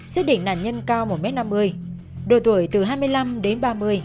sức đỉnh nạn nhân cao một m năm mươi độ tuổi từ hai mươi năm đến ba mươi